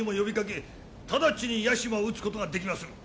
直ちに屋島を討つことができまする！